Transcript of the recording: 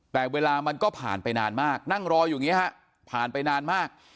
แต่เวลามันก็ผ่านไปนานมากนั่งรออยู่อย่างนี้ฮะผ่านไปนานมาก